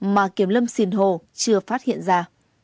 mà kiểm lâm xin hội chưa phát hiện ra